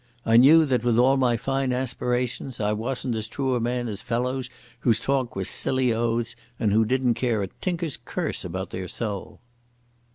I knew that with all my fine aspirations I wasn't as true a man as fellows whose talk was silly oaths and who didn't care a tinker's curse about their soul."